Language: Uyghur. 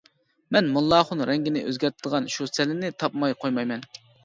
مەن موللاخۇن رەڭگىنى ئۆزگەرتىدىغان شۇ سەللىنى تاپماي قويمايمەن.